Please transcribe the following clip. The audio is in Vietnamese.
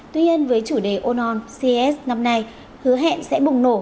tuy nhiên với chủ đề on on ces năm nay hứa hẹn sẽ bùng nổ